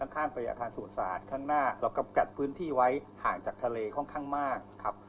ข้างไปอาคารสู่ศาสตร์ข้างหน้าเรากำกัดพื้นที่ไว้ห่างจากทะเลค่อนข้างมากครับ